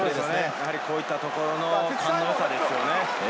こういったところの勘の良さですよね。